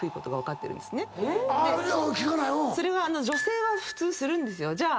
女性は普通するんですよ。